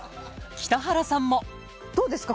北原さんもどうですか？